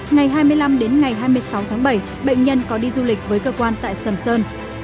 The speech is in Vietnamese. ngày hai mươi năm đến ngày hai mươi sáu tháng bảy bệnh nhân có đi du lịch với cơ quan tại sầm sơn